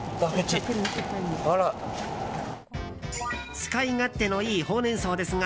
使い勝手のいいホウレンソウですが